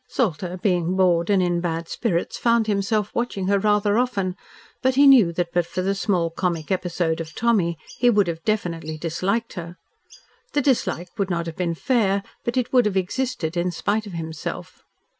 Salter, being bored and in bad spirits, found himself watching her rather often, but he knew that but for the small, comic episode of Tommy, he would have definitely disliked her. The dislike would not have been fair, but it would have existed in spite of himself.